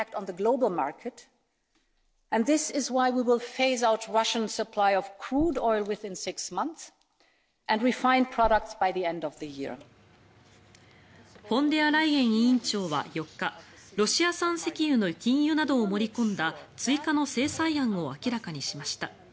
フォンデアライエン委員長は４日ロシア産石油の禁輸などを盛り込んだ追加の制裁案を明らかにしました。